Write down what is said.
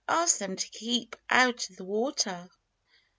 Ask them to keep out of the water."